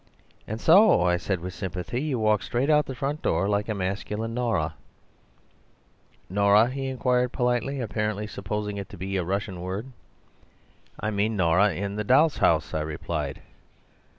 "'And so,' I said with sympathy, 'you walked straight out of the front door, like a masculine Nora.' "'Nora?' he inquired politely, apparently supposing it to be a Russian word. "'I mean Nora in "The Doll's House,"' I replied.